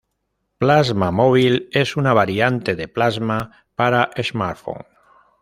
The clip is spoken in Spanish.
Plasma Móvil es una variante de Plasma para 'smartphones'.